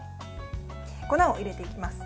粉を入れていきます。